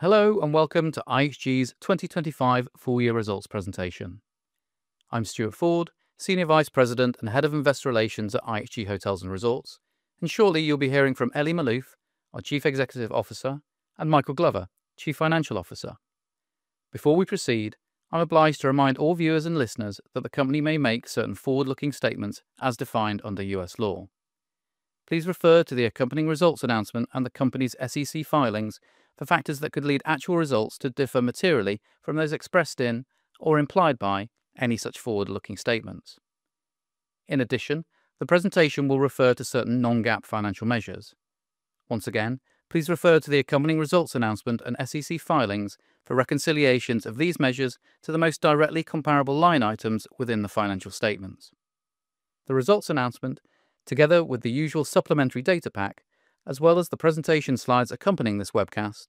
Hello, and welcome to IHG's 2025 full year results presentation. I'm Stuart Ford, Senior Vice President and Head of Investor Relations at IHG Hotels & Resorts, and shortly you'll be hearing from Elie Maalouf, our Chief Executive Officer, and Michael Glover, Chief Financial Officer. Before we proceed, I'm obliged to remind all viewers and listeners that the company may make certain forward-looking statements as defined under U.S. law. Please refer to the accompanying results announcement and the company's SEC filings for factors that could lead actual results to differ materially from those expressed in, or implied by, any such forward-looking statements. In addition, the presentation will refer to certain non-GAAP financial measures. Once again, please refer to the accompanying results announcement and SEC filings for reconciliations of these measures to the most directly comparable line items within the financial statements. The results announcement, together with the usual supplementary data pack, as well as the presentation slides accompanying this webcast,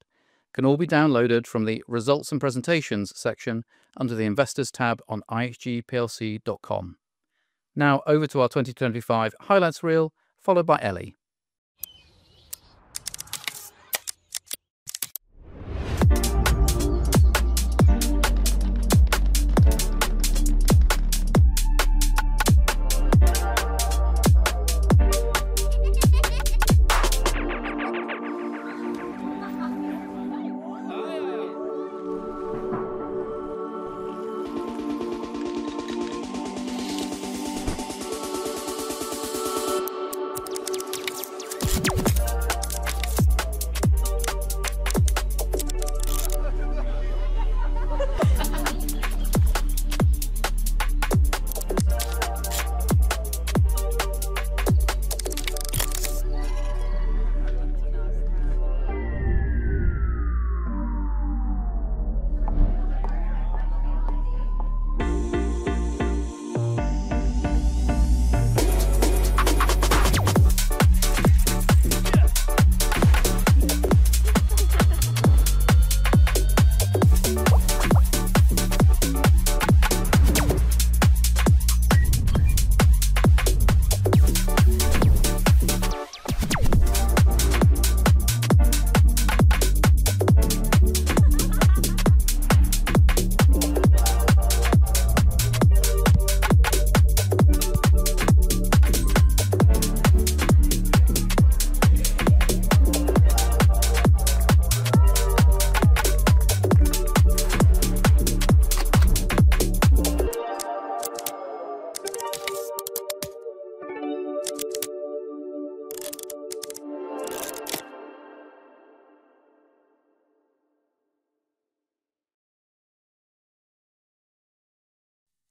can all be downloaded from the Results and Presentations section under the Investors tab on ihgplc.com. Now, over to our 2025 highlights reel, followed by Elie.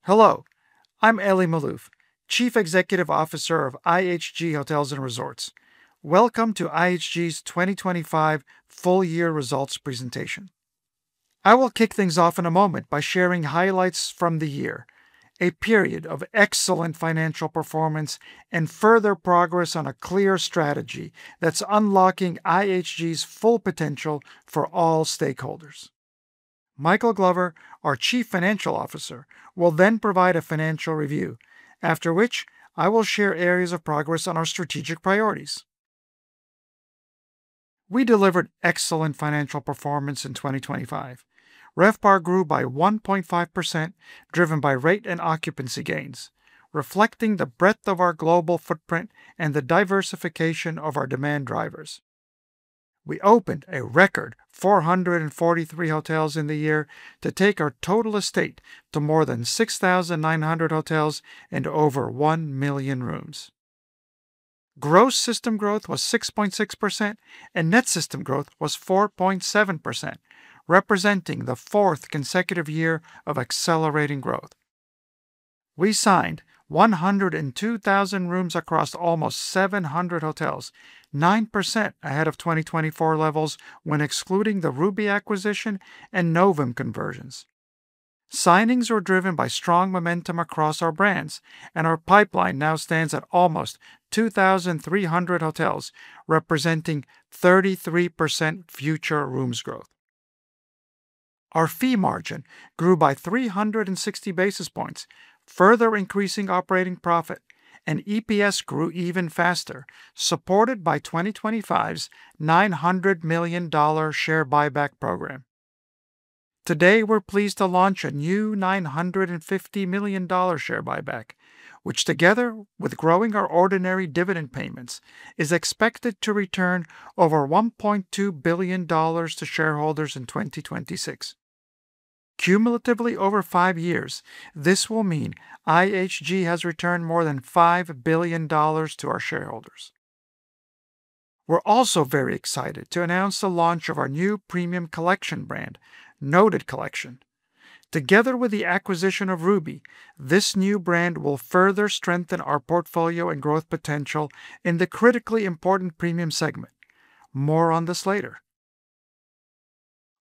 Hello, I'm Elie Maalouf, Chief Executive Officer of IHG Hotels & Resorts. Welcome to IHG's 2025 full year results presentation. I will kick things off in a moment by sharing highlights from the year, a period of excellent financial performance and further progress on a clear strategy that's unlocking IHG's full potential for all stakeholders. Michael Glover, our Chief Financial Officer, will then provide a financial review. After which, I will share areas of progress on our strategic priorities. We delivered excellent financial performance in 2025. RevPAR grew by 1.5%, driven by rate and occupancy gains, reflecting the breadth of our global footprint and the diversification of our demand drivers. We opened a record 443 hotels in the year to take our total estate to more than 6,900 hotels and over 1 million rooms. Gross system growth was 6.6%, and net system growth was 4.7%, representing the fourth consecutive year of accelerating growth. We signed 102,000 rooms across almost 700 hotels, 9% ahead of 2024 levels when excluding the Ruby acquisition and Novum conversions. Signings were driven by strong momentum across our brands, and our pipeline now stands at almost 2,300 hotels, representing 33% future rooms growth. Our fee margin grew by 360 basis points, further increasing operating profit, and EPS grew even faster, supported by 2025's $900 million share buyback program. Today, we're pleased to launch a new $950 million share buyback, which, together with growing our ordinary dividend payments, is expected to return over $1.2 billion to shareholders in 2026. Cumulatively, over five years, this will mean IHG has returned more than $5 billion to our shareholders. We're also very excited to announce the launch of our new premium collection brand, Noted Collection. Together with the acquisition of Ruby, this new brand will further strengthen our portfolio and growth potential in the critically important premium segment. More on this later.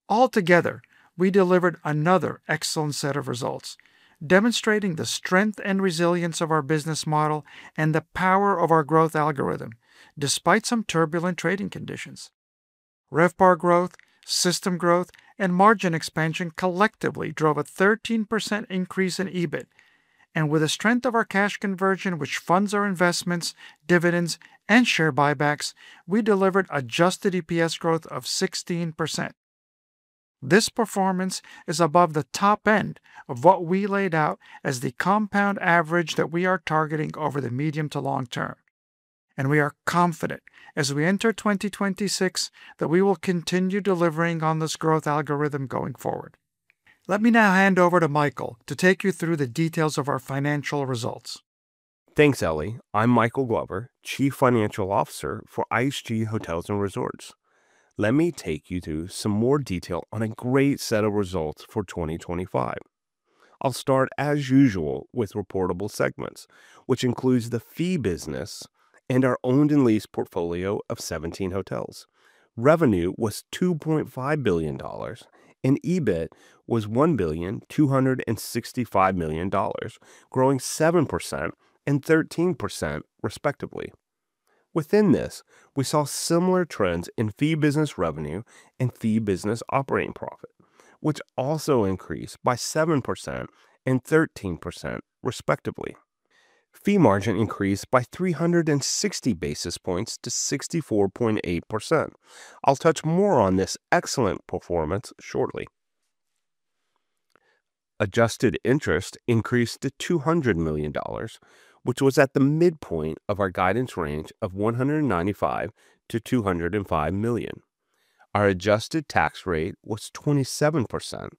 Altogether, we delivered another excellent set of results, demonstrating the strength and resilience of our business model and the power of our growth algorithm, despite some turbulent trading conditions. RevPAR growth, system growth, and margin expansion collectively drove a 13% increase in EBIT. And with the strength of our cash conversion, which funds our investments, dividends, and share buybacks, we delivered adjusted EPS growth of 16%. This performance is above the top end of what we laid out as the compound average that we are targeting over the medium to long term, and we are confident as we enter 2026, that we will continue delivering on this growth algorithm going forward. Let me now hand over to Michael to take you through the details of our financial results. Thanks, Elie. I'm Michael Glover, Chief Financial Officer for IHG Hotels & Resorts. Let me take you through some more detail on a great set of results for 2025. I'll start, as usual, with reportable segments, which includes the fee business and our owned and leased portfolio of 17 hotels. Revenue was $2.5 billion, and EBIT was $1.265 billion, growing 7% and 13% respectively. Within this, we saw similar trends in fee business revenue and fee business operating profit, which also increased by 7% and 13% respectively. Fee margin increased by 360 basis points to 64.8%. I'll touch more on this excellent performance shortly. Adjusted interest increased to $200 million, which was at the midpoint of our guidance range of $195 million-$205 million. Our adjusted tax rate was 27%,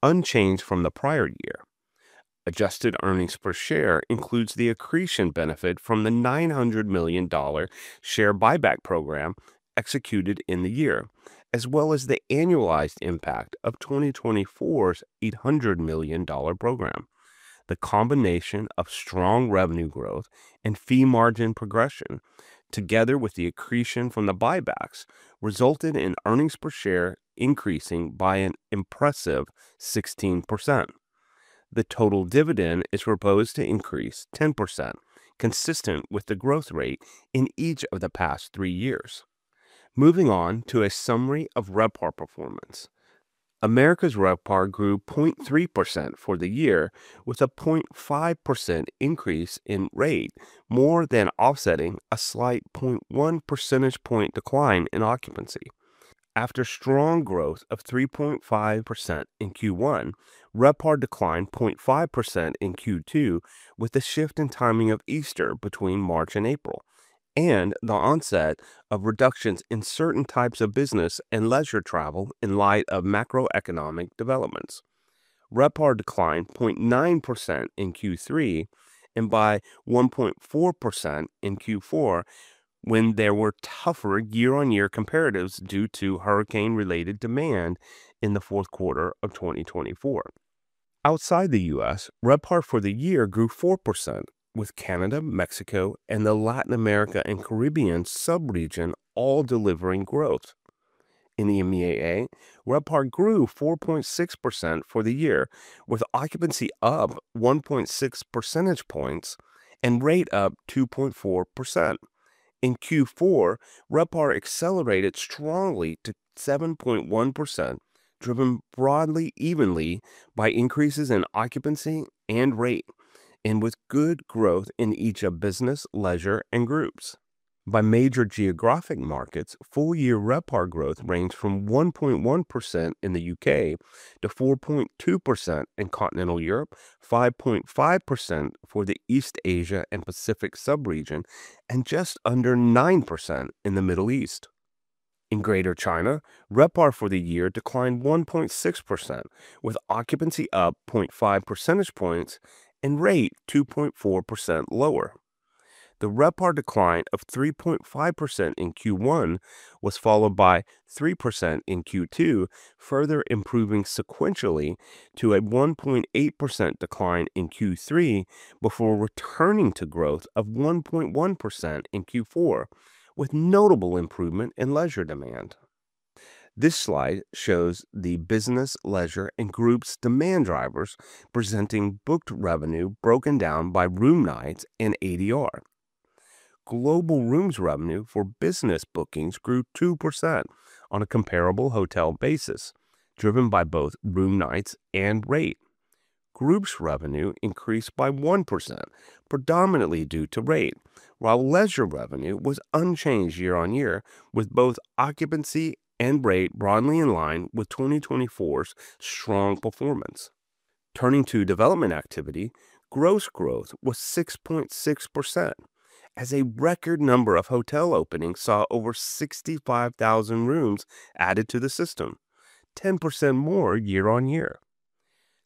unchanged from the prior year. Adjusted earnings per share includes the accretion benefit from the $900 million share buyback program executed in the year, as well as the annualized impact of 2024's $800 million program. The combination of strong revenue growth and fee margin progression, together with the accretion from the buybacks, resulted in earnings per share increasing by an impressive 16%. The total dividend is proposed to increase 10%, consistent with the growth rate in each of the past three years. Moving on to a summary of RevPAR performance. Americas RevPAR grew 0.3% for the year, with a 0.5% increase in rate, more than offsetting a slight 0.1 percentage point decline in occupancy. After strong growth of 3.5% in Q1, RevPAR declined 0.5% in Q2, with the shift in timing of Easter between March and April, and the onset of reductions in certain types of business and leisure travel in light of macroeconomic developments. RevPAR declined 0.9% in Q3, and by 1.4% in Q4, when there were tougher year-on-year comparatives due to hurricane-related demand in the fourth quarter of 2024. Outside the U.S., RevPAR for the year grew 4%, with Canada, Mexico, and the Latin America and Caribbean sub-region all delivering growth. In the EMEA, RevPAR grew 4.6% for the year, with occupancy up 1.6 percentage points and rate up 2.4%. In Q4, RevPAR accelerated strongly to 7.1%, driven broadly, evenly by increases in occupancy and rate, and with good growth in each of business, leisure, and groups. By major geographic markets, full year RevPAR growth ranged from 1.1% in the U.K. to 4.2% in Continental Europe, 5.5% for the East Asia and Pacific sub-region, and just under 9% in the Middle East. In Greater China, RevPAR for the year declined 1.6%, with occupancy up 0.5 percentage points and rate 2.4% lower. The RevPAR decline of 3.5% in Q1 was followed by 3% in Q2, further improving sequentially to a 1.8% decline in Q3, before returning to growth of 1.1% in Q4, with notable improvement in leisure demand. This slide shows the business, leisure, and groups demand drivers presenting booked revenue broken down by room nights in ADR. Global rooms revenue for business bookings grew 2% on a comparable hotel basis, driven by both room nights and rate. Groups revenue increased by 1%, predominantly due to rate, while leisure revenue was unchanged year-on-year, with both occupancy and rate broadly in line with 2024's strong performance. Turning to development activity, gross growth was 6.6%, as a record number of hotel openings saw over 65,000 rooms added to the system, 10% more year-on-year.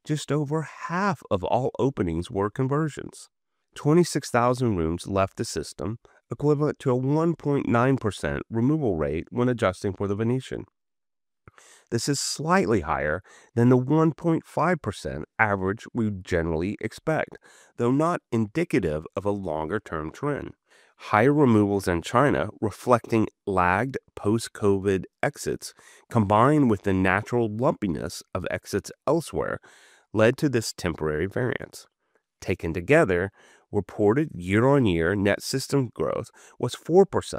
Just over half of all openings were conversions. 26,000 rooms left the system, equivalent to a 1.9% removal rate when adjusting for The Venetian. This is slightly higher than the 1.5% average we would generally expect, though not indicative of a longer-term trend. Higher removals in China, reflecting lagged post-COVID exits, combined with the natural lumpiness of exits elsewhere, led to this temporary variance. Taken together, reported year-on-year net system growth was 4%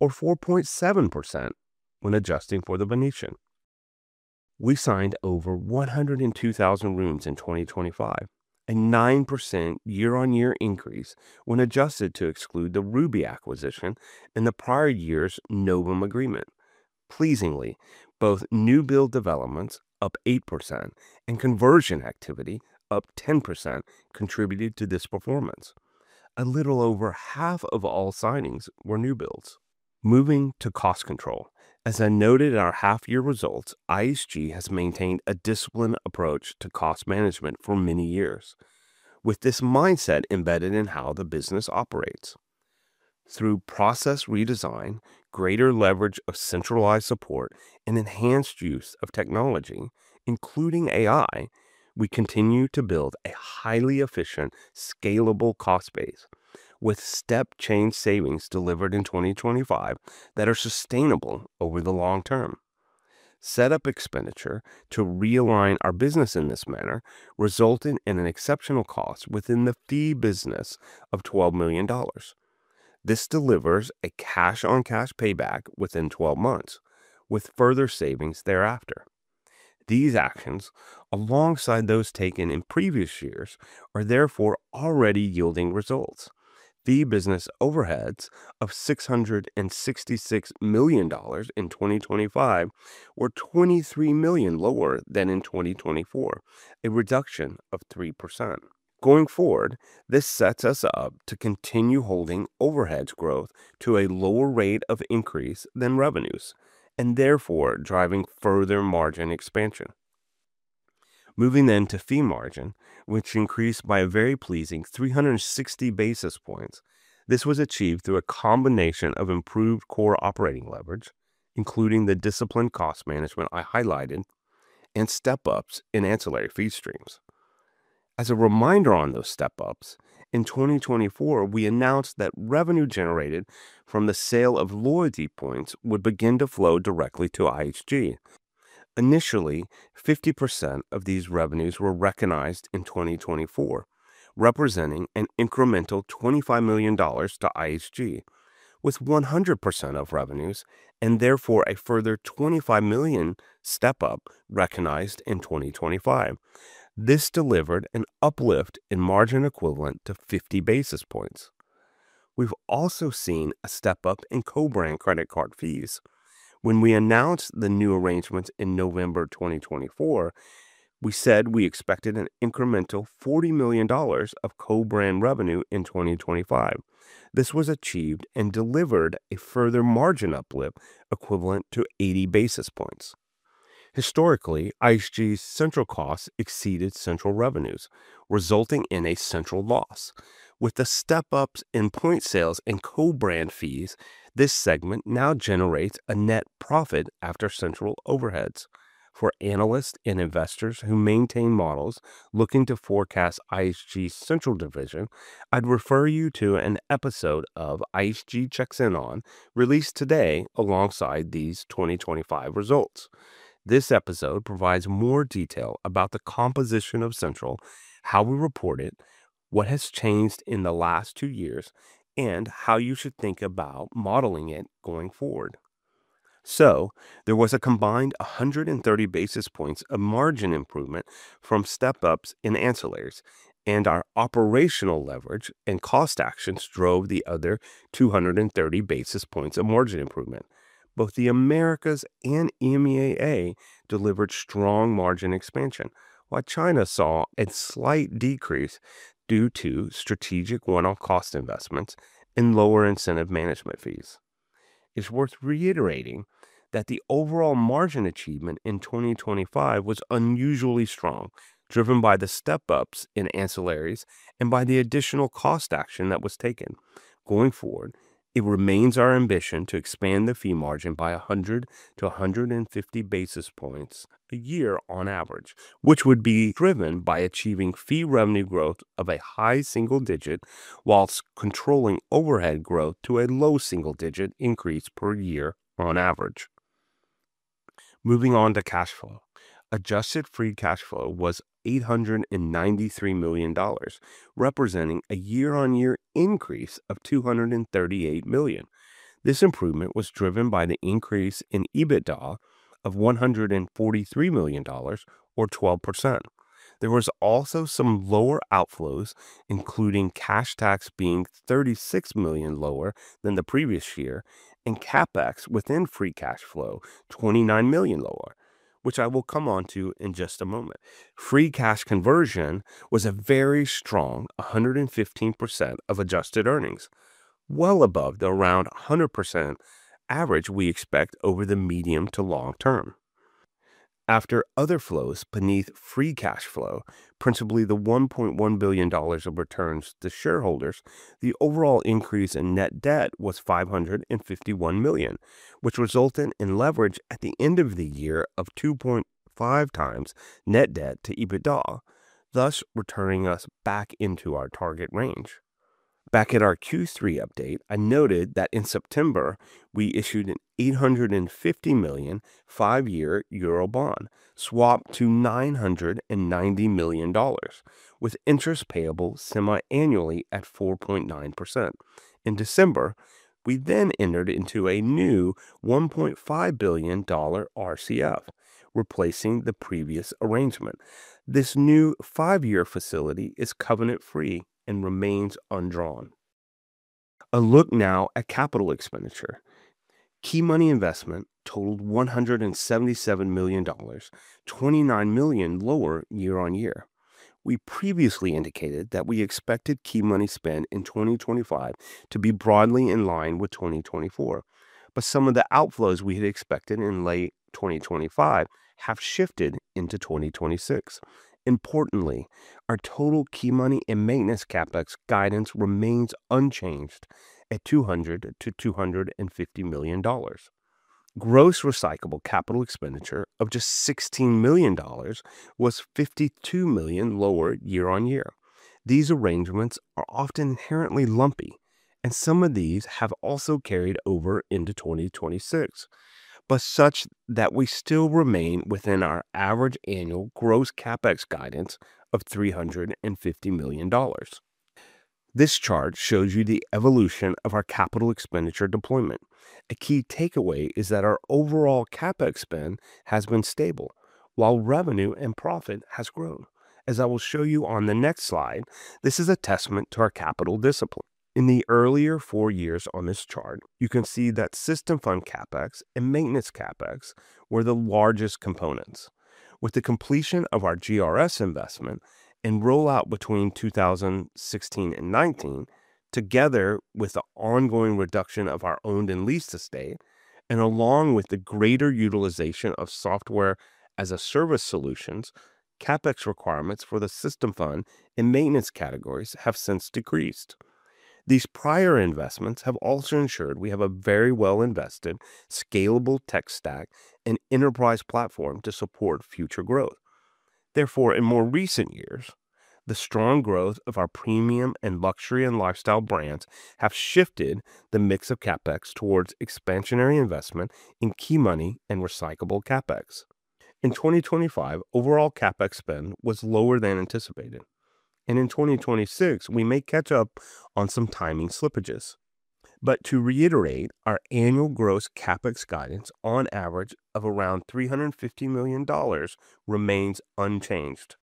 or 4.7% when adjusting for The Venetian. We signed over 102,000 rooms in 2025, a 9% year-on-year increase when adjusted to exclude the Ruby acquisition in the prior year's Novum agreement. Pleasingly, both new build developments, up 8%, and conversion activity, up 10%, contributed to this performance. A little over half of all signings were new builds. Moving to cost control. As I noted in our half-year results, IHG has maintained a disciplined approach to cost management for many years. With this mindset embedded in how the business operates. Through process redesign, greater leverage of centralized support, and enhanced use of technology, including AI, we continue to build a highly efficient, scalable cost base, with step-change savings delivered in 2025 that are sustainable over the long term. Setup expenditure to realign our business in this manner, resulting in an exceptional cost within the fee business of $12 million. This delivers a cash-on-cash payback within 12 months, with further savings thereafter. These actions, alongside those taken in previous years, are therefore already yielding results. Fee business overheads of $666 million in 2025 were $23 million lower than in 2024, a reduction of 3%. Going forward, this sets us up to continue holding overheads growth to a lower rate of increase than revenues and therefore driving further margin expansion. Moving then to fee margin, which increased by a very pleasing 360 basis points. This was achieved through a combination of improved core operating leverage, including the disciplined cost management I highlighted, and step-ups in ancillary fee streams. As a reminder on those step-ups, in 2024, we announced that revenue generated from the sale of loyalty points would begin to flow directly to IHG. Initially, 50% of these revenues were recognized in 2024, representing an incremental $25 million to IHG, with 100% of revenues, and therefore a further $25 million step-up recognized in 2025. This delivered an uplift in margin equivalent to 50 basis points. We've also seen a step-up in co-brand credit card fees. When we announced the new arrangements in November 2024, we said we expected an incremental $40 million of co-brand revenue in 2025. This was achieved and delivered a further margin uplift equivalent to 80 basis points. Historically, IHG's Central costs exceeded Central revenues, resulting in a Central loss. With the step-ups in point sales and co-brand fees, this segment now generates a net profit after Central overheads. For analysts and investors who maintain models looking to forecast IHG Central Division, I'd refer you to an episode of IHG Checks In On, released today alongside these 2025 results. This episode provides more detail about the composition of Central, how we report it, what has changed in the last two years, and how you should think about modeling it going forward. There was a combined 130 basis points of margin improvement from step-ups in ancillaries, and our operational leverage and cost actions drove the other 230 basis points of margin improvement. Both the Americas and EMEA delivered strong margin expansion, while China saw a slight decrease due to strategic one-off cost investments and lower incentive management fees. It's worth reiterating that the overall margin achievement in 2025 was unusually strong, driven by the step-ups in ancillaries and by the additional cost action that was taken. Going forward, it remains our ambition to expand the fee margin by 100-150 basis points a year on average, which would be driven by achieving fee revenue growth of a high single digit, while controlling overhead growth to a low single-digit increase per year on average. Moving on to cash flow. Adjusted Free Cash Flow was $893 million, representing a year-on-year increase of $238 million. This improvement was driven by the increase in EBITDA of $143 million or 12%. There was also some lower outflows, including cash tax being $36 million lower than the previous year, and CapEx within Free Cash Flow, $29 million lower, which I will come on to in just a moment. Free Cash Conversion was a very strong 115% of adjusted earnings, well above the around 100% average we expect over the medium to long term. After other flows beneath Free Cash Flow, principally the $1.1 billion of returns to shareholders, the overall increase in Net Debt was $551 million, which resulted in leverage at the end of the year of 2.5 times Net Debt to EBITDA, thus returning us back into our target range. Back at our Q3 update, I noted that in September, we issued an 850 million five-year euro bond, swapped to $990 million, with interest payable semiannually at 4.9%. In December, we then entered into a new $1.5 billion RCF, replacing the previous arrangement. This new five-year facility is covenant-free and remains undrawn. A look now at capital expenditure. Key money investment totaled $177 million, $29 million lower year-on-year. We previously indicated that we expected key money spend in 2025 to be broadly in line with 2024, but some of the outflows we had expected in late 2025 have shifted into 2026. Importantly, our total key money and maintenance CapEx guidance remains unchanged at $200-$250 million. Gross recyclable capital expenditure of just $16 million was $52 million lower year-on-year. These arrangements are often inherently lumpy, and some of these have also carried over into 2026, but such that we still remain within our average annual gross CapEx guidance of $350 million. This chart shows you the evolution of our capital expenditure deployment. A key takeaway is that our overall CapEx spend has been stable, while revenue and profit has grown. As I will show you on the next slide, this is a testament to our capital discipline. In the earlier four years on this chart, you can see that System Fund CapEx and maintenance CapEx were the largest components. With the completion of our GRS investment and rollout between 2016 and 2019, together with the ongoing reduction of our owned and leased estate, and along with the greater utilization of software-as-a-service solutions, CapEx requirements for the System Fund and maintenance categories have since decreased. These prior investments have also ensured we have a very well-invested, scalable tech stack and enterprise platform to support future growth. Therefore, in more recent years, the strong growth of our premium and luxury and lifestyle brands have shifted the mix of CapEx towards expansionary investment in key money and recyclable CapEx. In 2025, overall CapEx spend was lower than anticipated, and in 2026, we may catch up on some timing slippages. But to reiterate, our annual gross CapEx guidance on average of around $350 million remains unchanged.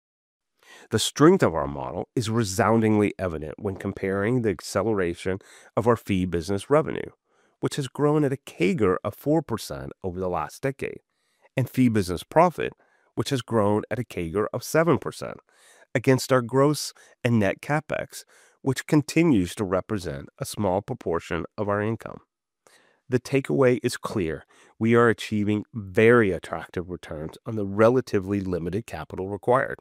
The strength of our model is resoundingly evident when comparing the acceleration of our fee business revenue, which has grown at a CAGR of 4% over the last decade, and fee business profit, which has grown at a CAGR of 7%, against our gross and net CapEx, which continues to represent a small proportion of our income. The takeaway is clear: we are achieving very attractive returns on the relatively limited capital required,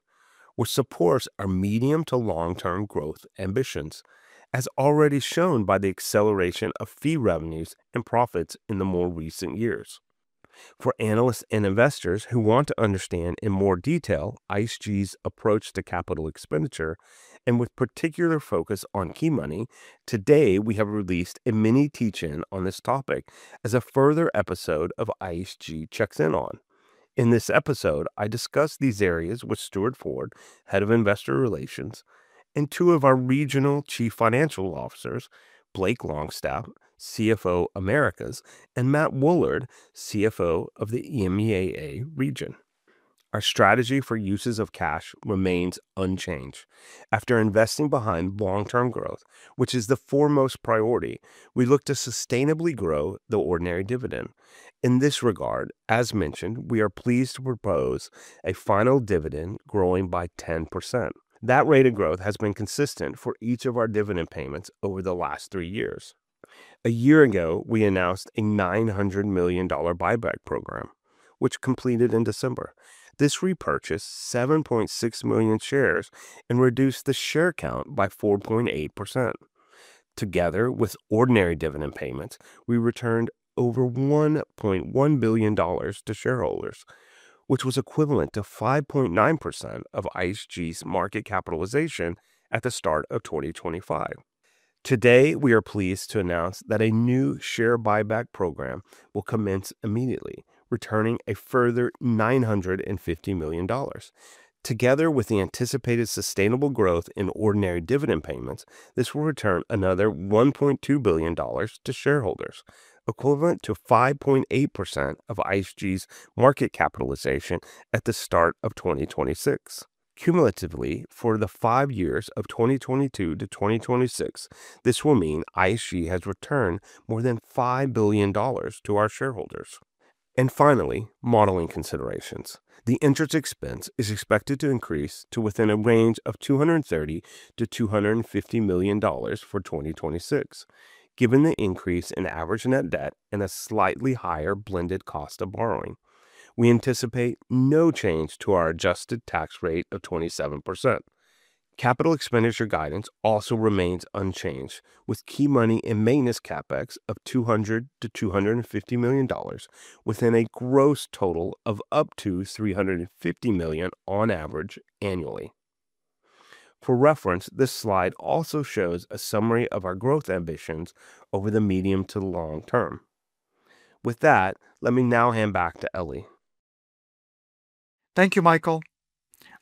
which supports our medium to long-term growth ambitions, as already shown by the acceleration of fee revenues and profits in the more recent years. For analysts and investors who want to understand in more detail IHG's approach to capital expenditure and with particular focus on key money, today, we have released a mini teach-in on this topic as a further episode of IHG Checks In On. In this episode, I discuss these areas with Stuart Ford, Head of Investor Relations, and two of our regional chief financial officers, Blake Longstaff, CFO, Americas, and Matt Woollard, CFO of the EMEAA region. Our strategy for uses of cash remains unchanged. After investing behind long-term growth, which is the foremost priority, we look to sustainably grow the ordinary dividend. In this regard, as mentioned, we are pleased to propose a final dividend growing by 10%. That rate of growth has been consistent for each of our dividend payments over the last three years. A year ago, we announced a $900 million buyback program, which completed in December. This repurchased 7.6 million shares and reduced the share count by 4.8%. Together with ordinary dividend payments, we returned over $1.1 billion to shareholders, which was equivalent to 5.9% of IHG's market capitalization at the start of 2025. Today, we are pleased to announce that a new share buyback program will commence immediately, returning a further $950 million. Together with the anticipated sustainable growth in ordinary dividend payments, this will return another $1.2 billion to shareholders, equivalent to 5.8% of IHG's market capitalization at the start of 2026. Cumulatively, for the five years of 2022 to 2026, this will mean IHG has returned more than $5 billion to our shareholders. And finally, modeling considerations. The interest expense is expected to increase to within a range of $230 million-$250 million for 2026, given the increase in average net debt and a slightly higher blended cost of borrowing. We anticipate no change to our adjusted tax rate of 27%. Capital expenditure guidance also remains unchanged, with key money and maintenance CapEx of $200 million-$250 million within a gross total of up to $350 million on average annually. For reference, this slide also shows a summary of our growth ambitions over the medium to long term. With that, let me now hand back to Elie. Thank you, Michael.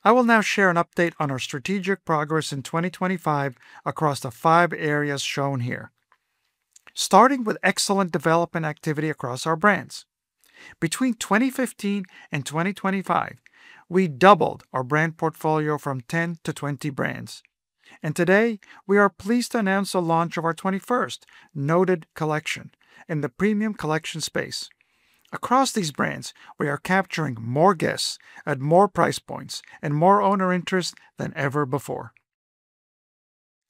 I will now share an update on our strategic progress in 2025 across the five areas shown here. Starting with excellent development activity across our brands. Between 2015 and 2025, we doubled our brand portfolio from 10 to 20 brands, and today we are pleased to announce the launch of our 21st, Noted Collection, in the premium collection space. Across these brands, we are capturing more guests at more price points and more owner interest than ever before.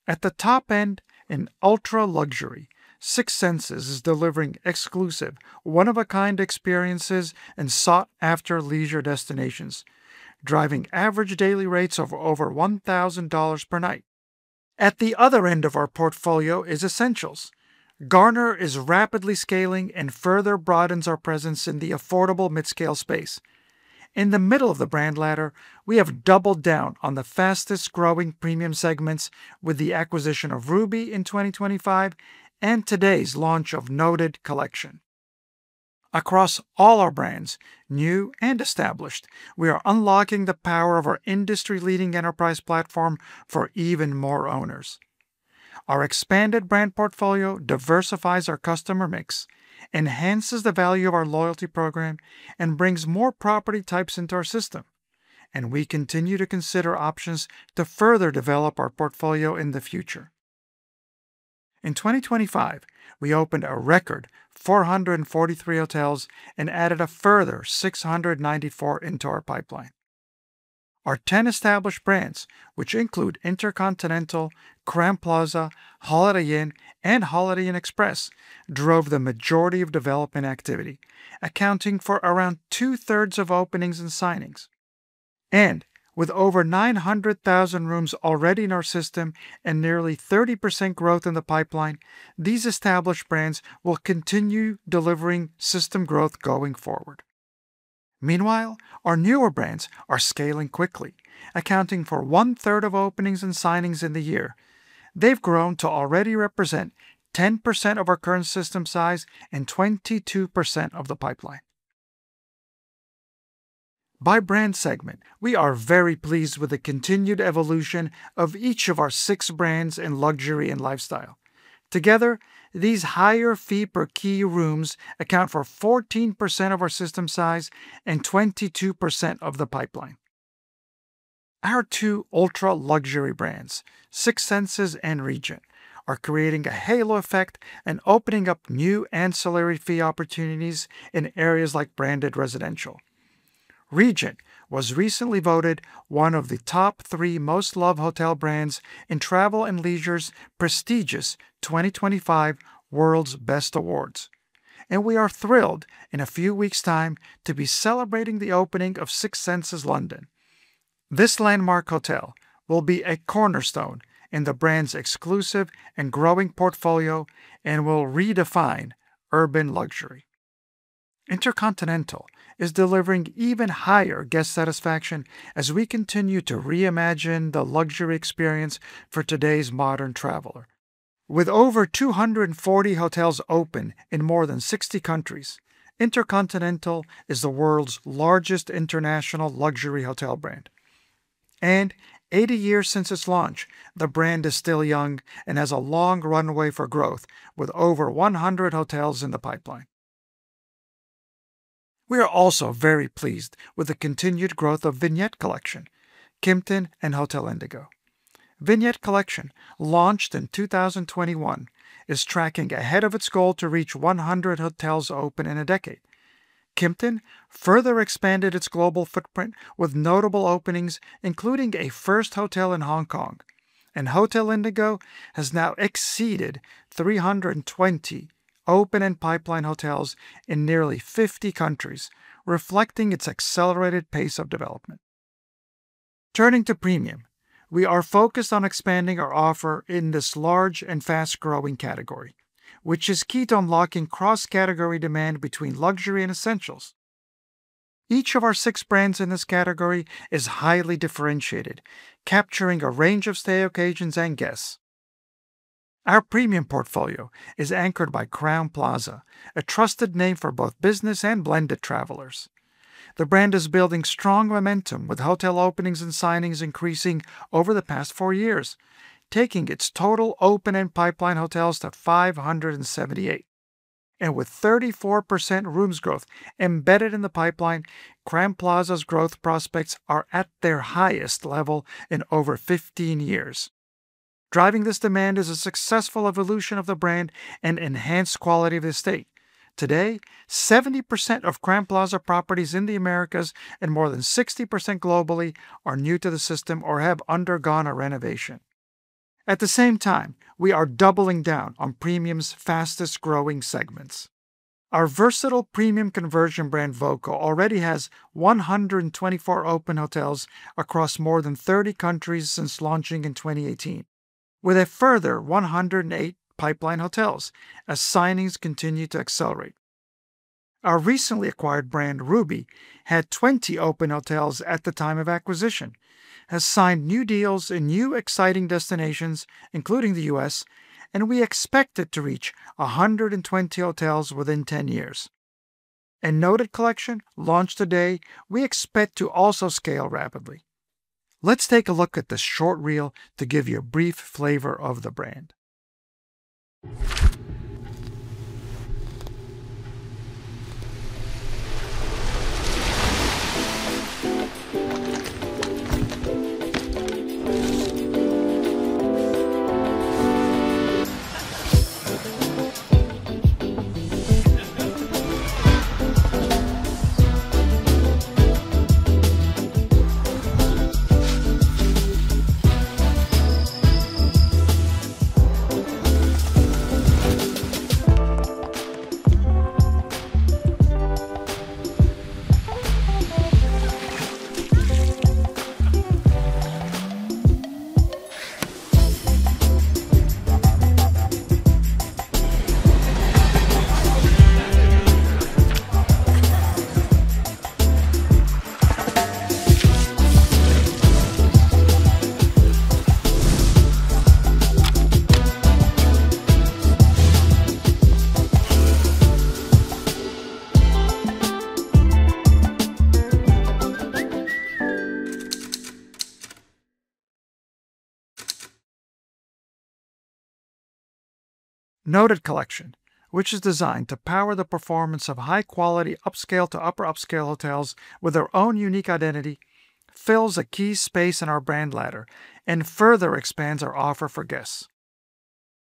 At the top end, in ultra-luxury, Six Senses is delivering exclusive, one-of-a-kind experiences and sought-after leisure destinations, driving average daily rates of over $1,000 per night. At the other end of our portfolio is essentials. Garner is rapidly scaling and further broadens our presence in the affordable midscale space. In the middle of the brand ladder, we have doubled down on the fastest growing premium segments with the acquisition of Ruby in 2025 and today's launch of Noted Collection. Across all our brands, new and established, we are unlocking the power of our industry-leading enterprise platform for even more owners. Our expanded brand portfolio diversifies our customer mix, enhances the value of our loyalty program, and brings more property types into our system, and we continue to consider options to further develop our portfolio in the future. In 2025, we opened a record 443 hotels and added a further 694 into our pipeline. Our 10 established brands, which include InterContinental, Crowne Plaza, Holiday Inn, and Holiday Inn Express, drove the majority of development activity, accounting for around two-thirds of openings and signings. And with over 900,000 rooms already in our system and nearly 30% growth in the pipeline, these established brands will continue delivering system growth going forward. Meanwhile, our newer brands are scaling quickly, accounting for one-third of openings and signings in the year. They've grown to already represent 10% of our current system size and 22% of the pipeline. By brand segment, we are very pleased with the continued evolution of each of our six brands in luxury and lifestyle. Together, these higher fee per key rooms account for 14% of our system size and 22% of the pipeline. Our two ultra-luxury brands, Six Senses and Regent, are creating a halo effect and opening up new ancillary fee opportunities in areas like branded residential. Regent was recently voted one of the top three most loved hotel brands in Travel + Leisure's prestigious 2025 World's Best Awards, and we are thrilled, in a few weeks' time, to be celebrating the opening of Six Senses London. This landmark hotel will be a cornerstone in the brand's exclusive and growing portfolio and will redefine urban luxury. InterContinental is delivering even higher guest satisfaction as we continue to reimagine the luxury experience for today's modern traveler. With over 240 hotels open in more than 60 countries, InterContinental is the world's largest international luxury hotel brand. Eighty years since its launch, the brand is still young and has a long runway for growth, with over 100 hotels in the pipeline. We are also very pleased with the continued growth of Vignette Collection, Kimpton, and Hotel Indigo. Vignette Collection, launched in 2021, is tracking ahead of its goal to reach 100 hotels open in a decade. Kimpton further expanded its global footprint with notable openings, including a first hotel in Hong Kong. Hotel Indigo has now exceeded 320 open and pipeline hotels in nearly 50 countries, reflecting its accelerated pace of development. Turning to premium, we are focused on expanding our offer in this large and fast-growing category, which is key to unlocking cross-category demand between luxury and essentials. Each of our six brands in this category is highly differentiated, capturing a range of stay occasions and guests. Our premium portfolio is anchored by Crowne Plaza, a trusted name for both business and blended travelers. The brand is building strong momentum, with hotel openings and signings increasing over the past four years, taking its total open and pipeline hotels to 578. With 34% rooms growth embedded in the pipeline, Crowne Plaza's growth prospects are at their highest level in over 15 years. Driving this demand is a successful evolution of the brand and enhanced quality of the estate. Today, 70% of Crowne Plaza properties in the Americas and more than 60% globally are new to the system or have undergone a renovation. At the same time, we are doubling down on premium's fastest-growing segments. Our versatile premium conversion brand, voco, already has 124 open hotels across more than 30 countries since launching in 2018, with a further 108 pipeline hotels as signings continue to accelerate.... Our recently acquired brand, Ruby, had 20 open hotels at the time of acquisition, has signed new deals in new exciting destinations, including the U.S., and we expect it to reach 120 hotels within 10 years. Noted Collection, launched today, we expect to also scale rapidly. Let's take a look at this short reel to give you a brief flavor of the brand. Noted Collection, which is designed to power the performance of high-quality, upscale to upper upscale hotels with their own unique identity, fills a key space in our brand ladder and further expands our offer for guests.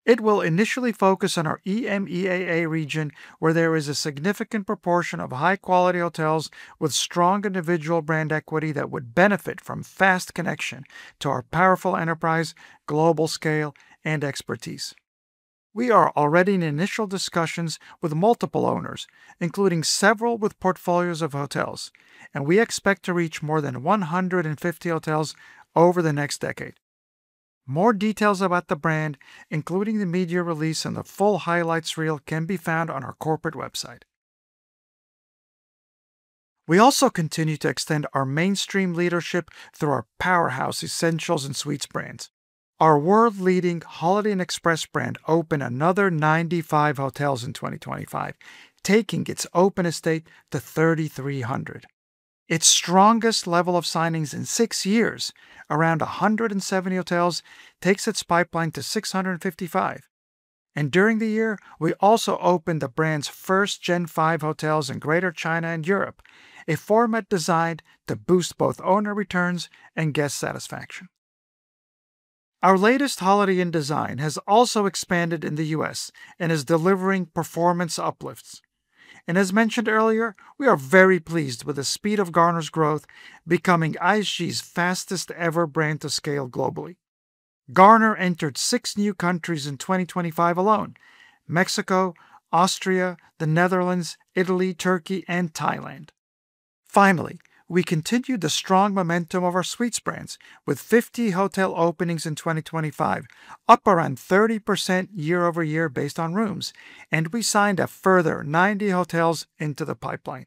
It will initially focus on our EMEA region, where there is a significant proportion of high-quality hotels with strong individual brand equity that would benefit from fast connection to our powerful enterprise, global scale, and expertise. We are already in initial discussions with multiple owners, including several with portfolios of hotels, and we expect to reach more than 150 hotels over the next decade. More details about the brand, including the media release and the full highlights reel, can be found on our corporate website. We also continue to extend our mainstream leadership through our powerhouse essentials and suites brands. Our world-leading Holiday Inn Express brand opened another 95 hotels in 2025, taking its open estate to 3,300. Its strongest level of signings in six years, around 170 hotels, takes its pipeline to 655. During the year, we also opened the brand's first Gen 5 hotels in Greater China and Europe, a format designed to boost both owner returns and guest satisfaction. Our latest Holiday Inn design has also expanded in the U.S. and is delivering performance uplifts. As mentioned earlier, we are very pleased with the speed of Garner's growth, becoming IHG's fastest-ever brand to scale globally. Garner entered six new countries in 2025 alone: Mexico, Austria, the Netherlands, Italy, Turkey, and Thailand. Finally, we continued the strong momentum of our suites brands with 50 hotel openings in 2025, up around 30% year-over-year based on rooms, and we signed a further 90 hotels into the pipeline.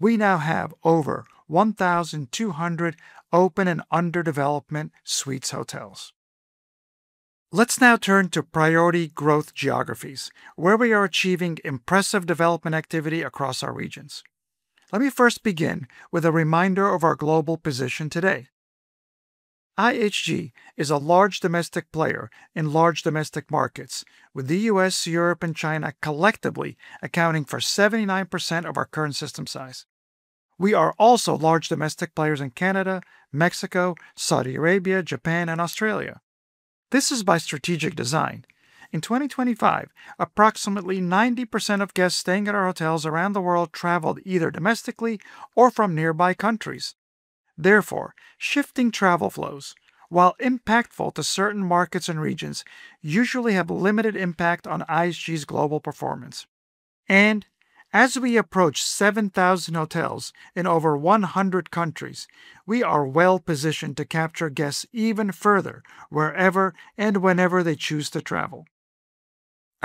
We now have over 1,200 open and under development suites hotels. Let's now turn to priority growth geographies, where we are achieving impressive development activity across our regions. Let me first begin with a reminder of our global position today. IHG is a large domestic player in large domestic markets, with the U.S., Europe, and China collectively accounting for 79% of our current system size. We are also large domestic players in Canada, Mexico, Saudi Arabia, Japan, and Australia. This is by strategic design. In 2025, approximately 90% of guests staying at our hotels around the world traveled either domestically or from nearby countries. Therefore, shifting travel flows, while impactful to certain markets and regions, usually have limited impact on IHG's global performance. As we approach 7,000 hotels in over 100 countries, we are well-positioned to capture guests even further, wherever and whenever they choose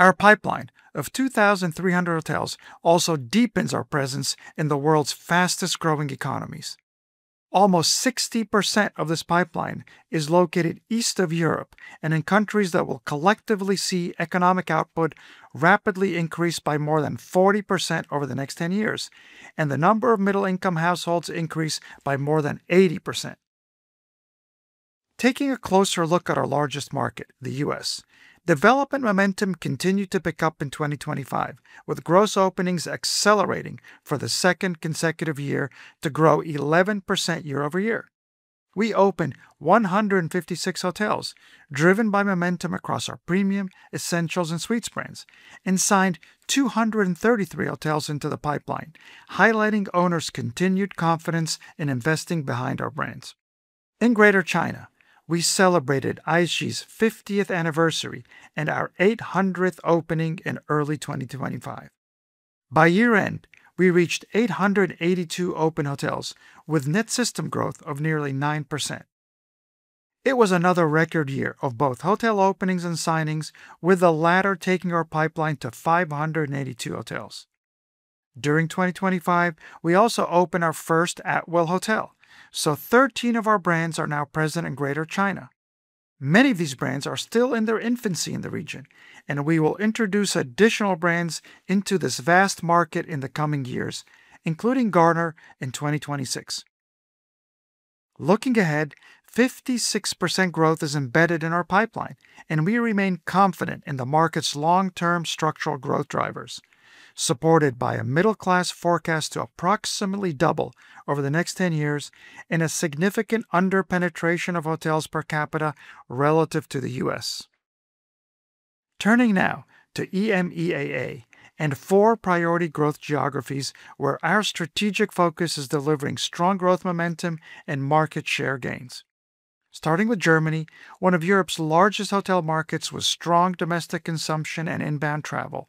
to travel. Our pipeline of 2,300 hotels also deepens our presence in the world's fastest-growing economies. Almost 60% of this pipeline is located east of Europe and in countries that will collectively see economic output rapidly increase by more than 40% over the next 10 years, and the number of middle-income households increase by more than 80%. Taking a closer look at our largest market, the U.S., development momentum continued to pick up in 2025, with gross openings accelerating for the second consecutive year to grow 11% year-over-year. We opened 156 hotels, driven by momentum across our premium, essentials, and suites brands, and signed 233 hotels into the pipeline, highlighting owners' continued confidence in investing behind our brands. In Greater China, we celebrated IHG's 50th anniversary and our 800th opening in early 2025. By year-end, we reached 882 open hotels, with net system growth of nearly 9%. It was another record year of both hotel openings and signings, with the latter taking our pipeline to 582 hotels. During 2025, we also opened our first Atwell Hotel, so 13 of our brands are now present in Greater China. Many of these brands are still in their infancy in the region, and we will introduce additional brands into this vast market in the coming years, including Garner in 2026. Looking ahead, 56% growth is embedded in our pipeline, and we remain confident in the market's long-term structural growth drivers, supported by a middle class forecast to approximately double over the next 10 years and a significant under-penetration of hotels per capita relative to the U.S. Turning now to EMEA, and four priority growth geographies, where our strategic focus is delivering strong growth momentum and market share gains. Starting with Germany, one of Europe's largest hotel markets, with strong domestic consumption and inbound travel,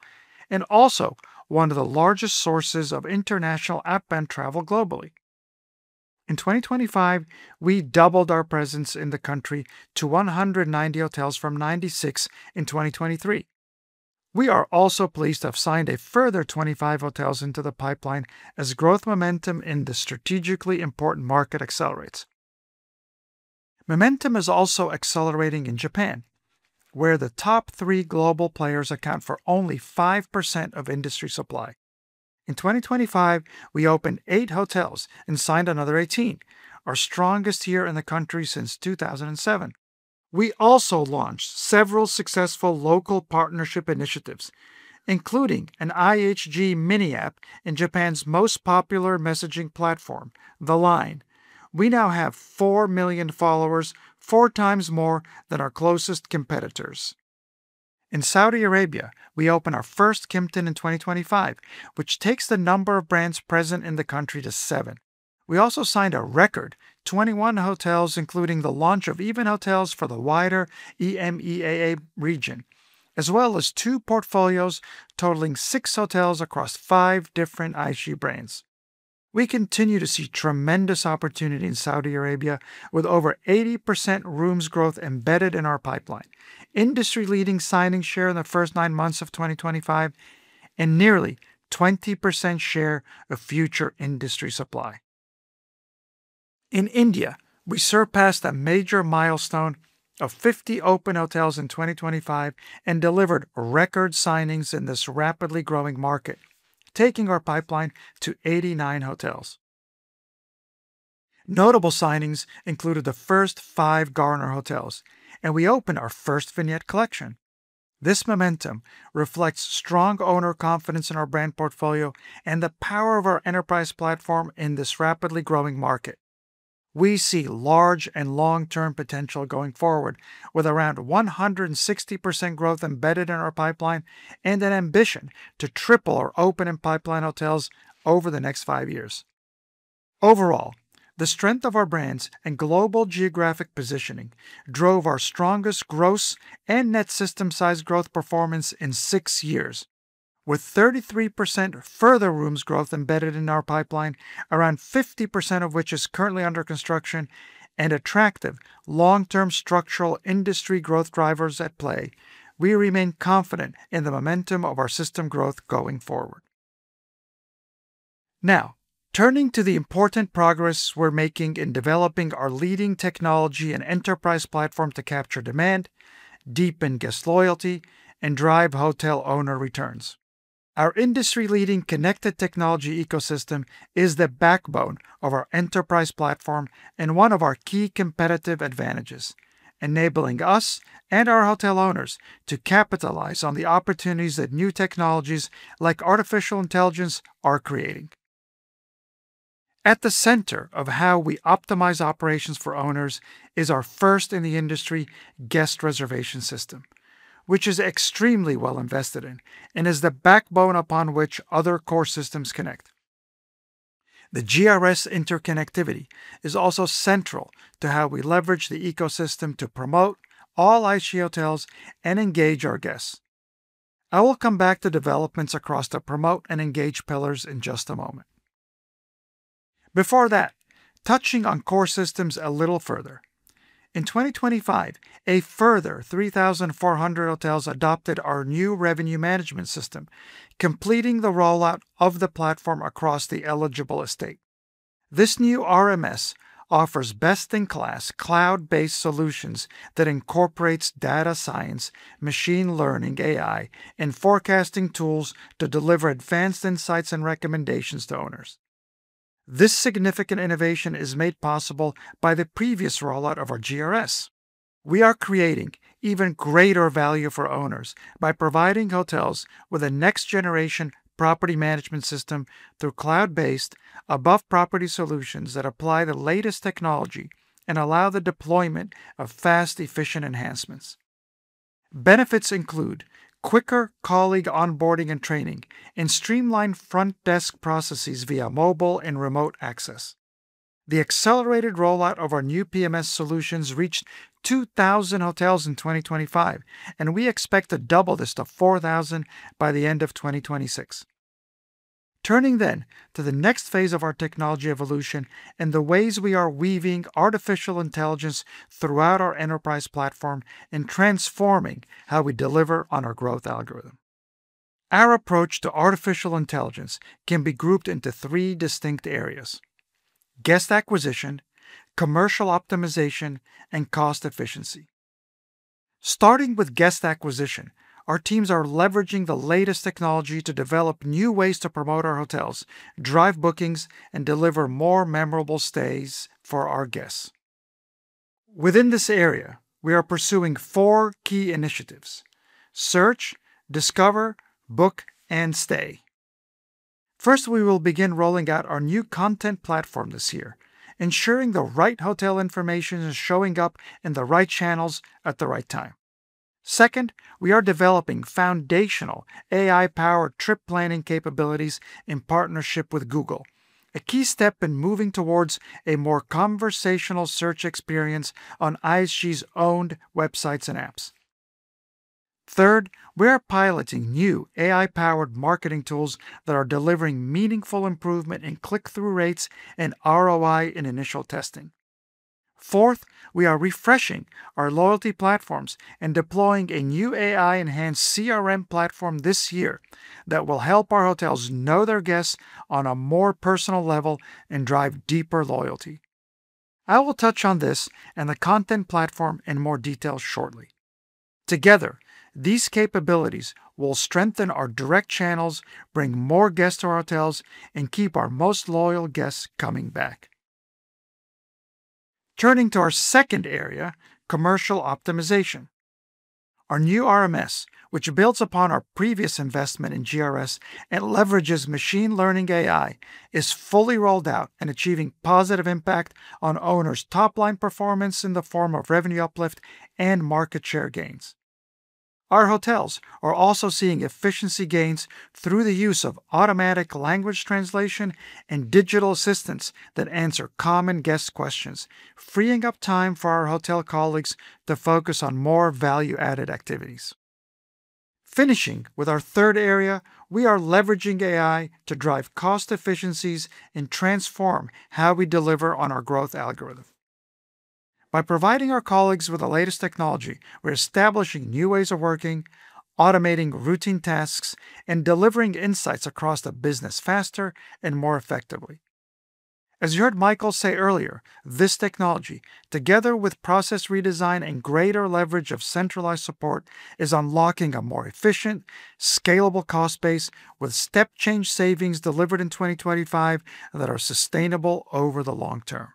and also one of the largest sources of international outbound travel globally. In 2025, we doubled our presence in the country to 190 hotels from 96 in 2023. We are also pleased to have signed a further 25 hotels into the pipeline as growth momentum in the strategically important market accelerates. Momentum is also accelerating in Japan, where the top 3 global players account for only 5% of industry supply. In 2025, we opened 8 hotels and signed another 18, our strongest year in the country since 2007. We also launched several successful local partnership initiatives, including an IHG mini app in Japan's most popular messaging platform, LINE. We now have 4 million followers, four times more than our closest competitors. In Saudi Arabia, we opened our first Kimpton in 2025, which takes the number of brands present in the country to seven. We also signed a record 21 hotels, including the launch of EVEN Hotels for the wider EMEA region, as well as two portfolios totaling six hotels across five different IHG brands. We continue to see tremendous opportunity in Saudi Arabia, with over 80% rooms growth embedded in our pipeline, industry-leading signing share in the first nine months of 2025, and nearly 20% share of future industry supply. In India, we surpassed a major milestone of 50 open hotels in 2025 and delivered record signings in this rapidly growing market, taking our pipeline to 89 hotels. Notable signings included the first five Garner hotels, and we opened our first Vignette Collection. This momentum reflects strong owner confidence in our brand portfolio and the power of our enterprise platform in this rapidly growing market. We see large and long-term potential going forward, with around 160% growth embedded in our pipeline and an ambition to triple our open and pipeline hotels over the next five years. Overall, the strength of our brands and global geographic positioning drove our strongest gross and net system size growth performance in six years. With 33% further rooms growth embedded in our pipeline, around 50% of which is currently under construction, and attractive long-term structural industry growth drivers at play, we remain confident in the momentum of our system growth going forward. Now, turning to the important progress we're making in developing our leading technology and enterprise platform to capture demand, deepen guest loyalty, and drive hotel owner returns. Our industry-leading connected technology ecosystem is the backbone of our enterprise platform and one of our key competitive advantages, enabling us and our hotel owners to capitalize on the opportunities that new technologies like artificial intelligence are creating. At the center of how we optimize operations for owners is our first-in-the-industry Guest Reservation System, which is extremely well invested in and is the backbone upon which other core systems connect. The GRS interconnectivity is also central to how we leverage the ecosystem to promote all IHG hotels and engage our guests. I will come back to developments across the promote and engage pillars in just a moment. Before that, touching on core systems a little further. In 2025, a further 3,400 hotels adopted our new Revenue Management System, completing the rollout of the platform across the eligible estate. This new RMS offers best-in-class, cloud-based solutions that incorporates data science, machine learning, AI, and forecasting tools to deliver advanced insights and recommendations to owners. This significant innovation is made possible by the previous rollout of our GRS. We are creating even greater value for owners by providing hotels with a next-generation property management system through cloud-based, above-property solutions that apply the latest technology and allow the deployment of fast, efficient enhancements. Benefits include quicker colleague onboarding and training and streamlined front desk processes via mobile and remote access. The accelerated rollout of our new PMS solutions reached 2,000 hotels in 2025, and we expect to double this to 4,000 by the end of 2026.... Turning then to the next phase of our technology evolution and the ways we are weaving artificial intelligence throughout our enterprise platform and transforming how we deliver on our growth algorithm. Our approach to artificial intelligence can be grouped into three distinct areas: guest acquisition, commercial optimization, and cost efficiency. Starting with guest acquisition, our teams are leveraging the latest technology to develop new ways to promote our hotels, drive bookings, and deliver more memorable stays for our guests. Within this area, we are pursuing four key initiatives: search, discover, book, and stay. First, we will begin rolling out our new content platform this year, ensuring the right hotel information is showing up in the right channels at the right time. Second, we are developing foundational AI-powered trip planning capabilities in partnership with Google, a key step in moving towards a more conversational search experience on IHG's owned websites and apps. Third, we are piloting new AI-powered marketing tools that are delivering meaningful improvement in click-through rates and ROI in initial testing. Fourth, we are refreshing our loyalty platforms and deploying a new AI-enhanced CRM platform this year that will help our hotels know their guests on a more personal level and drive deeper loyalty. I will touch on this and the content platform in more detail shortly. Together, these capabilities will strengthen our direct channels, bring more guests to our hotels, and keep our most loyal guests coming back. Turning to our second area, commercial optimization. Our new RMS, which builds upon our previous investment in GRS and leverages machine learning AI, is fully rolled out and achieving positive impact on owners' top-line performance in the form of revenue uplift and market share gains. Our hotels are also seeing efficiency gains through the use of automatic language translation and digital assistants that answer common guest questions, freeing up time for our hotel colleagues to focus on more value-added activities. Finishing with our third area, we are leveraging AI to drive cost efficiencies and transform how we deliver on our growth algorithm. By providing our colleagues with the latest technology, we're establishing new ways of working, automating routine tasks, and delivering insights across the business faster and more effectively. As you heard Michael say earlier, this technology, together with process redesign and greater leverage of centralized support, is unlocking a more efficient, scalable cost base with step-change savings delivered in 2025 that are sustainable over the long term.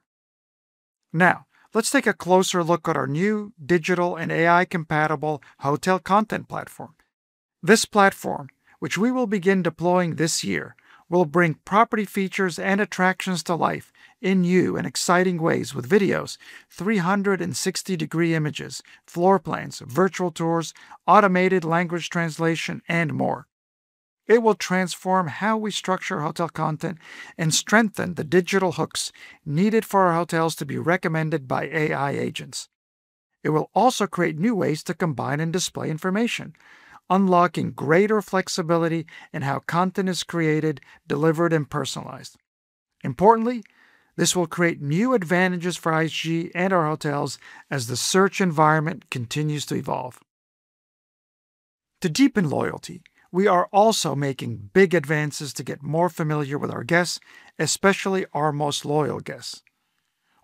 Now, let's take a closer look at our new digital and AI-compatible hotel content platform. This platform, which we will begin deploying this year, will bring property features and attractions to life in new and exciting ways, with videos, 360-degree images, floor plans, virtual tours, automated language translation, and more. It will transform how we structure hotel content and strengthen the digital hooks needed for our hotels to be recommended by AI agents. It will also create new ways to combine and display information, unlocking greater flexibility in how content is created, delivered, and personalized. Importantly, this will create new advantages for IHG and our hotels as the search environment continues to evolve. To deepen loyalty, we are also making big advances to get more familiar with our guests, especially our most loyal guests.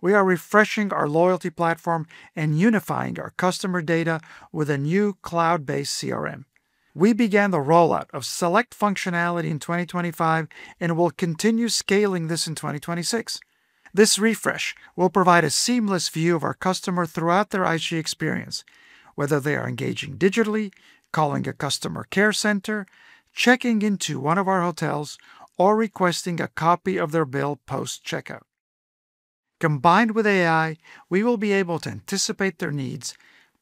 We are refreshing our loyalty platform and unifying our customer data with a new cloud-based CRM. We began the rollout of select functionality in 2025 and will continue scaling this in 2026. This refresh will provide a seamless view of our customer throughout their IHG experience, whether they are engaging digitally, calling a customer care center, checking into one of our hotels, or requesting a copy of their bill post-checkout. Combined with AI, we will be able to anticipate their needs,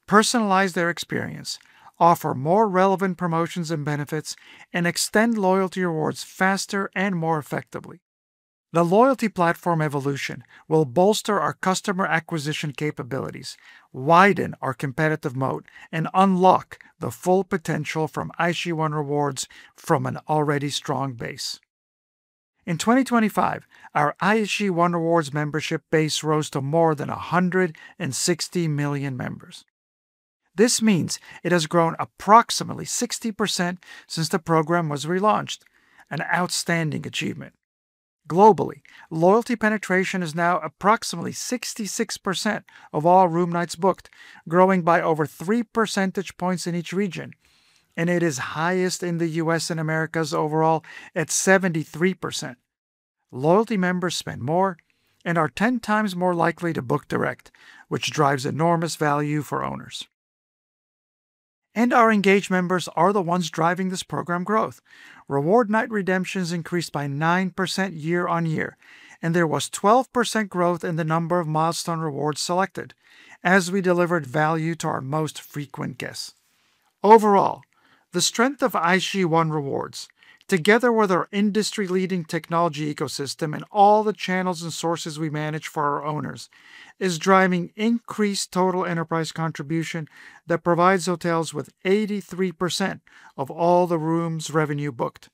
personalize their experience, offer more relevant promotions and benefits, and extend loyalty rewards faster and more effectively. The loyalty platform evolution will bolster our customer acquisition capabilities, widen our competitive moat, and unlock the full potential from IHG One Rewards from an already strong base. In 2025, our IHG One Rewards membership base rose to more than 160 million members. This means it has grown approximately 60% since the program was relaunched, an outstanding achievement. Globally, loyalty penetration is now approximately 66% of all room nights booked, growing by over 3 percentage points in each region, and it is highest in the U.S. and Americas overall at 73%. Loyalty members spend more and are 10 times more likely to book direct, which drives enormous value for owners. Our engaged members are the ones driving this program growth. Reward night redemptions increased by 9% year-on-year, and there was 12% growth in the number of milestone rewards selected as we delivered value to our most frequent guests. Overall, the strength of IHG One Rewards, together with our industry-leading technology ecosystem and all the channels and sources we manage for our owners, is driving increased total enterprise contribution that provides hotels with 83% of all the rooms revenue booked....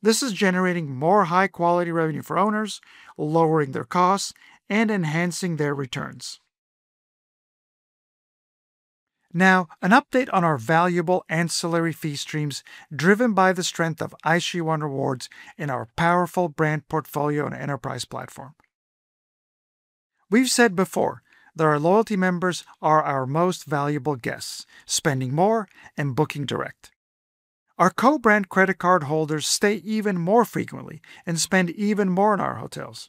This is generating more high-quality revenue for owners, lowering their costs, and enhancing their returns. Now, an update on our valuable ancillary fee streams, driven by the strength of IHG One Rewards and our powerful brand portfolio and enterprise platform. We've said before that our loyalty members are our most valuable guests, spending more and booking direct. Our co-brand credit card holders stay even more frequently and spend even more in our hotels.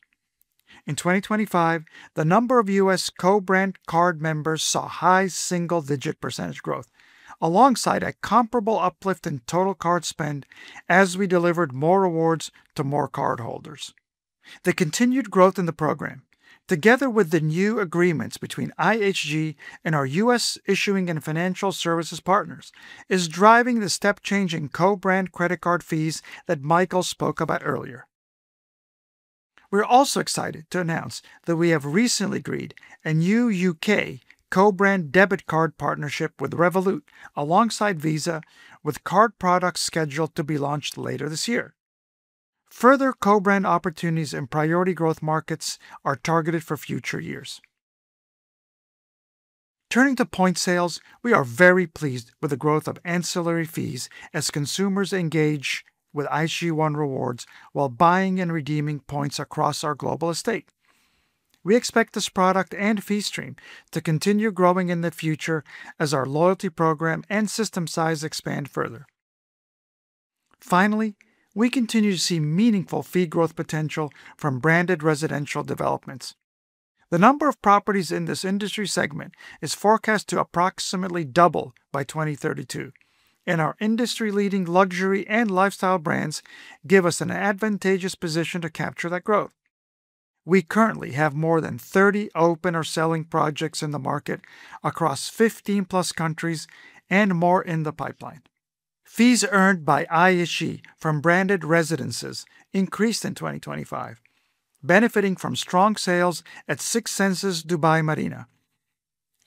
In 2025, the number of U.S. co-brand card members saw high single-digit % growth, alongside a comparable uplift in total card spend as we delivered more rewards to more cardholders. The continued growth in the program, together with the new agreements between IHG and our U.S. issuing and financial services partners, is driving the step change in co-brand credit card fees that Michael spoke about earlier. We're also excited to announce that we have recently agreed a new U.K. co-brand debit card partnership with Revolut, alongside Visa, with card products scheduled to be launched later this year. Further co-brand opportunities in priority growth markets are targeted for future years. Turning to point sales, we are very pleased with the growth of ancillary fees as consumers engage with IHG One Rewards while buying and redeeming points across our global estate. We expect this product and fee stream to continue growing in the future as our loyalty program and system size expand further. Finally, we continue to see meaningful fee growth potential from branded residential developments. The number of properties in this industry segment is forecast to approximately double by 2032, and our industry-leading luxury and lifestyle brands give us an advantageous position to capture that growth. We currently have more than 30 open or selling projects in the market across 15+ countries and more in the pipeline. Fees earned by IHG from branded residences increased in 2025, benefiting from strong sales at Six Senses Dubai Marina.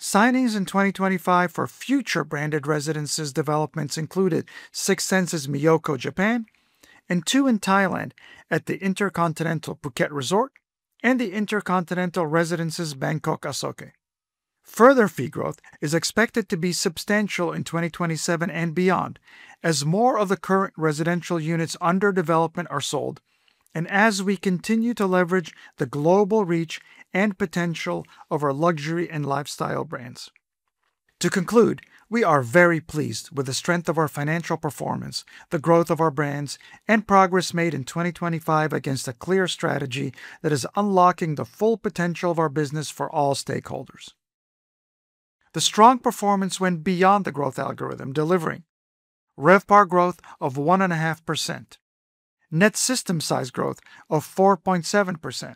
Signings in 2025 for future branded residences developments included Six Senses Miyako, Japan, and two in Thailand at the InterContinental Phuket Resort and the InterContinental Residences Bangkok Asoke. Further fee growth is expected to be substantial in 2027 and beyond, as more of the current residential units under development are sold, and as we continue to leverage the global reach and potential of our luxury and lifestyle brands. To conclude, we are very pleased with the strength of our financial performance, the growth of our brands, and progress made in 2025 against a clear strategy that is unlocking the full potential of our business for all stakeholders. The strong performance went beyond the growth algorithm, delivering RevPAR growth of 1.5%, net system size growth of 4.7%,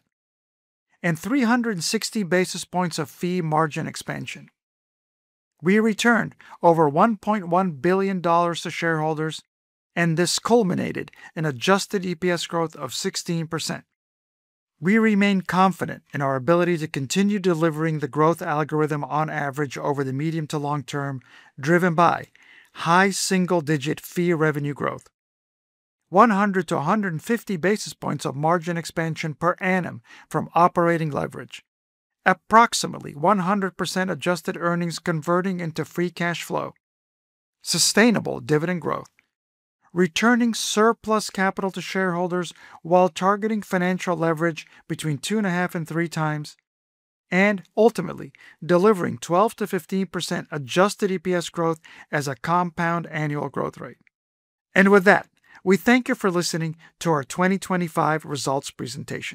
and 360 basis points of fee margin expansion. We returned over $1.1 billion to shareholders, and this culminated in adjusted EPS growth of 16%. We remain confident in our ability to continue delivering the growth algorithm on average over the medium to long term, driven by high single-digit fee revenue growth, 100-150 basis points of margin expansion per annum from operating leverage, approximately 100% adjusted earnings converting into Free Cash Flow, sustainable dividend growth, returning surplus capital to shareholders while targeting financial leverage between 2.5 and three times, and ultimately delivering 12%-15% adjusted EPS growth as a compound annual growth rate. With that, we thank you for listening to our 2025 results presentation.